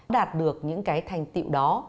đạt được những cái thành tiệu đó